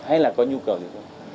hay là có nhu cầu điều chỉnh